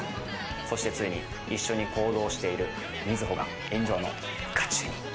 そして、ついに一緒に行動している瑞穂が炎上の渦中に。